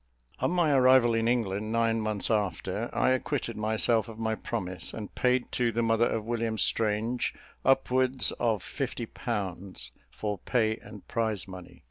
On my arrival in England, nine months after, I acquitted myself of my promise, and paid to the mother of William Strange upwards of fifty pounds, for pay and prize money.